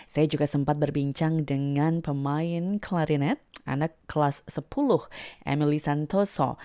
saya juga sempat berbincang dengan pemain klarinet anak kelas sepuluh emily santoso